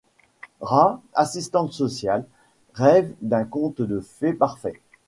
Rae, assistante sociale, rêve d'un conte de fées parfait.